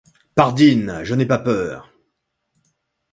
Pardine ! je n’ai pas peur.